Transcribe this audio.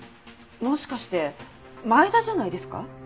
もしかして前田じゃないですか？